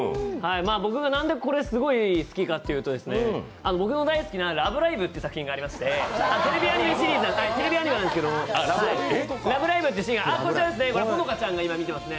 僕が何でこれすごい好きかっていうと僕の大好きな「ラブライブ！」って作品がありましてテレビアニメなんですけどこちらですね、ほのかちゃんが出てますね。